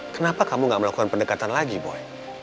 kenapa kamu gak melakukan pendekatan lagi boy